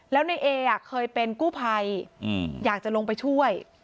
แล้วในเอเคยเป็นกู้ภัยอยากจะลงไปช่วย